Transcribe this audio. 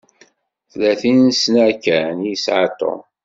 Tlatin-sna kan i yesεa Tom.